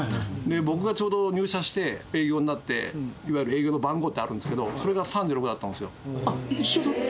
僕がちょうど入社して営業になって、いわゆる営業の番号ってあるんですけど、一緒だった？